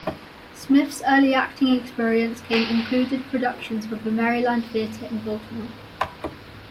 Smith's early acting experience came included productions with the Maryland Theatre in Baltimore.